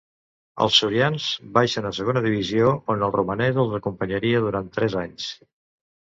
Els sorians baixen a Segona Divisió, on el romanès els acompanyaria durant tres anys.